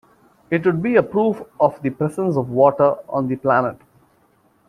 It would be a proof of the presence of water on the planet.